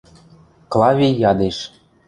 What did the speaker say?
— Клавий ядеш.